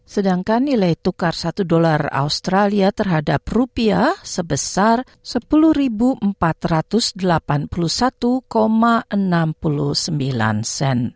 sedangkan nilai tukar satu dolar australia terhadap rupiah sebesar sepuluh empat ratus delapan puluh satu enam puluh sembilan